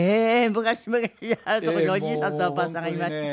「むかしむかしあるところにおじいさんとおばあさんがいました」。